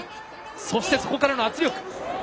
そしてそこからの圧力。